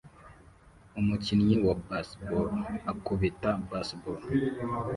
Umukinnyi wa baseball akubita baseball